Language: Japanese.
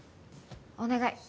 お願い